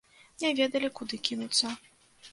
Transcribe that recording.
Не ведалі, куды кінуцца.